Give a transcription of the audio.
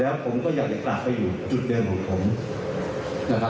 แล้วผมก็อยากจะกลับไปอยู่จุดเดิมของผมนะครับ